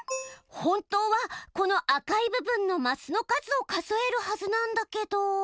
本当はこの赤い部分のマスの数を数えるはずなんだけど。